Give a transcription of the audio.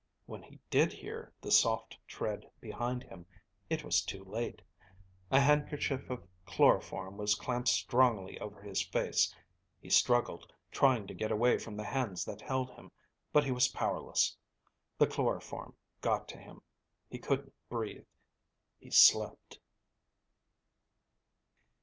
When he did hear the soft tread behind him, it was too late! A handkerchief of chloroform was clamped strongly over his face! He struggled, trying to get away from the hands that held him, but he was powerless! The chloroform got to him. He couldn't breathe... He slept.